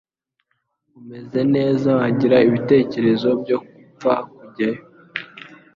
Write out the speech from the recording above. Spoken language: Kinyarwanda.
umeze neza wagira ibitekerezo byo gupfa kujyayo